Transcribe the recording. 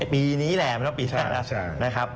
ปีนี้แหละไม่ต้องปีหน้านะครับ